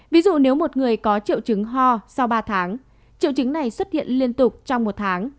ví dụ nếu một người có triệu chứng ho sau ba tháng triệu chứng này xuất hiện liên tục trong một tháng